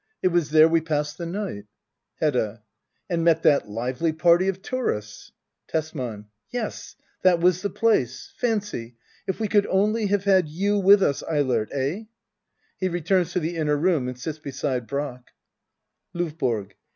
It was there we passed the night Hedda. ^and met that lively party of tourists. Tesman. Yes, that was the place. Fancy — if we could only have had you with us, Eilert ! Eh ? [He returns to the inner room and sits beside Brack. LOVBORO.